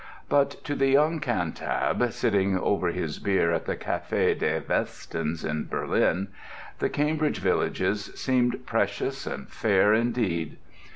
But to the young Cantab sitting over his beer at the Café des Westens in Berlin, the Cambridge villages seemed precious and fair indeed.